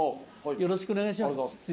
よろしくお願いします。